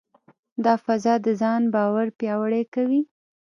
دا فضا د ځان باور پیاوړې کوي.